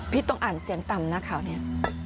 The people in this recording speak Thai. ต้องอ่านเสียงต่ำนะข่าวนี้